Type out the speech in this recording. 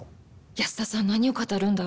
安田さん何を語るんだろう。